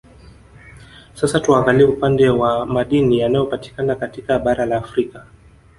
Sasa tuangalie upande wa Madini yanayopatikana katika bara la afrika